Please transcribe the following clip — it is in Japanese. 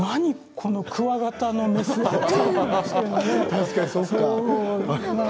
このクワガタの雌って。